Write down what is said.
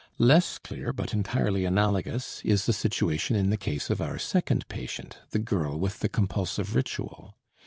Less clear, but entirely analogous, is the situation in the case of our second patient, the girl with the compulsive ritual.